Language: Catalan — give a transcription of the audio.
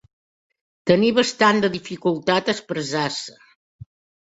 Tenir bastant de dificultat a expressar-se.